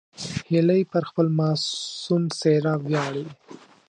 هیلۍ پر خپل معصوم څېره ویاړي